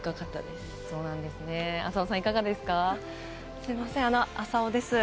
すみません、浅尾です。